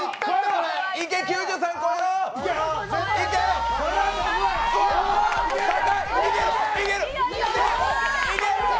いけ、９３超えろ！